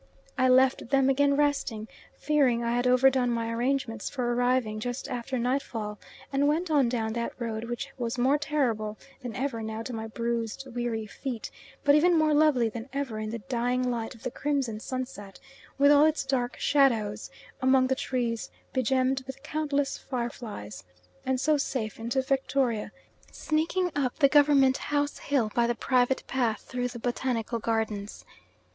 I left them again resting, fearing I had overdone my arrangements for arriving just after nightfall and went on down that road which was more terrible than ever now to my bruised, weary feet, but even more lovely than ever in the dying light of the crimson sunset, with all its dark shadows among the trees begemmed with countless fire flies and so safe into Victoria sneaking up the Government House hill by the private path through the Botanical Gardens.